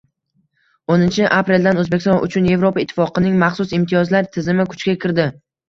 O'ninchi apreldan O‘zbekiston uchun Yevropa Ittifoqining maxsus imtiyozlar tizimi kuchga kirdi